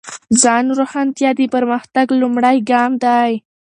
ځان روښانتیا د پرمختګ لومړی ګام دی.